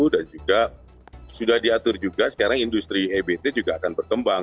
dan juga sudah diatur juga sekarang industri ebt juga akan berkembang